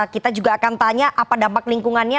kita juga akan tanya apa dampak lingkungannya